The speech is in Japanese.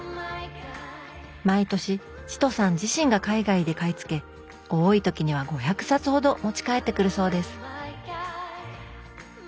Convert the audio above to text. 毎年チトさん自身が海外で買い付け多い時には５００冊ほど持ち帰ってくるそうです